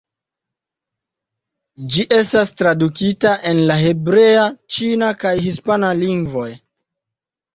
Ĝi estas tradukita en la hebrea, ĉina kaj hispana lingvoj.